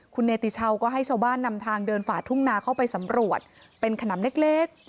คุณเนติชาวก็ให้ชาวบ้านนำทางเดินฝ่าทุ่งนาเข้าไปสำรวจเป็นขนำเล็ก